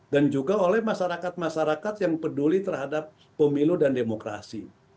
dan juga oleh masyarakat masyarakat yang peduli terhadap pemilu dan demokrasi